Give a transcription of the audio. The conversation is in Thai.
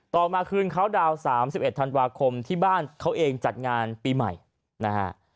ต่อมาคืนคราวดาวน์สามสิบเอ็ดธันวาคมที่บ้านเขาเองจัดงานปีใหม่นะฮะ